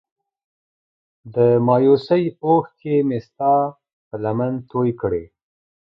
د مايوسۍ اوښکې مې هم ستا په لمن توی کړې.